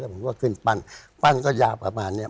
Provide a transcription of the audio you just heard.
แล้วผมก็ขึ้นปั้นปั้นก็ยากประมาณนี้